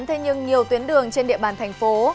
thế nhưng nhiều tuyến đường trên địa bàn thành phố